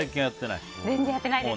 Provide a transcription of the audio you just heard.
全然やってないですね。